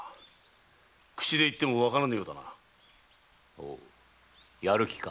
ほうやる気か。